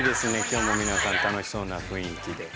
今日も皆さん楽しそうな雰囲気で。